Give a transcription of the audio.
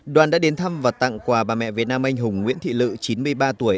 đoàn đã đến thăm và tặng quà bà mẹ việt nam anh hùng nguyễn thị lự chín mươi ba tuổi